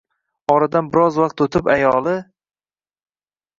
Oradan biroz vaqt o`tib, ayoli